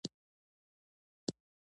مځکه زموږ د ازمېښت ځای ده.